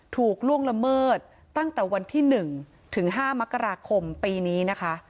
ล่วงละเมิดตั้งแต่วันที่๑ถึง๕มกราคมปีนี้นะคะ